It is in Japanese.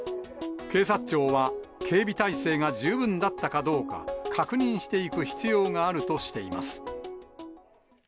警察庁は、警備体制が十分だったかどうか、確認していく必要があるとしています。